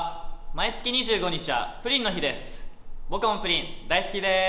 毎月２５日はプリンの日です。